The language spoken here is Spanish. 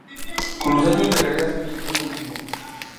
Con los años, llegaría a ser director del mismo.